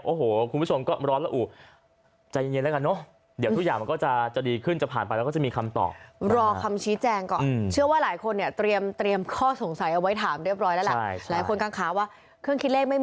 โอ้โหคุณผู้ชมก็ร้อนระอุใจเย็นแล้วกันเนอะ